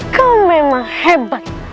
kau memang hebat